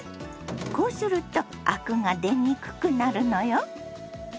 こうするとアクが出にくくなるのよ。